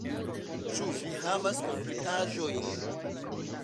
Ĉu vi havas komplikaĵojn?